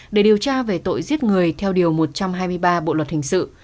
để điều tra về tội giết người theo điều một trăm hai mươi ba bộ luật hình sự